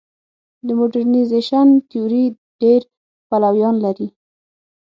د موډرنیزېشن تیوري ډېر پلویان لري.